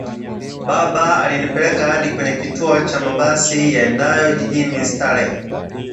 Baba alinipeleka hadi kwenye kituo cha mabasi yaendao jijini Starehe